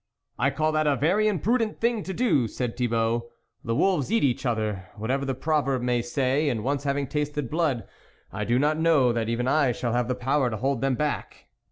" I call that a very imprudent thing to do," said Thibault ;" the wolves eat each other, whatever the proverb may say, and once having tasted blood, I do not know that even I shall have the power to hold them back."